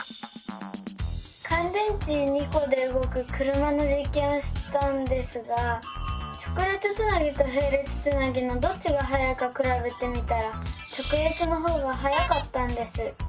かん電池２コでうごく車のじっけんをしたんですが直列つなぎとへい列つなぎのどっちがはやいかくらべてみたら直列のほうがはやかったんです。